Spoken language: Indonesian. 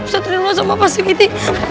satu diri lo sama yang ini